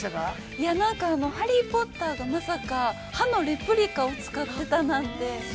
◆いやなんか、「ハリー・ポッター」がまさか、歯のレプリカを作ってたなんて。